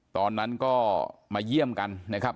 ตอนนั้นก็มาเยี่ยมกันนะครับ